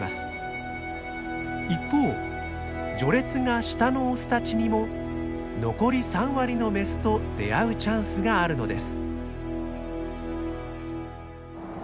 一方序列が下のオスたちにも残り３割のメスと出会うチャンスがあるのです。